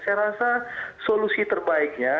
saya rasa solusi terbaiknya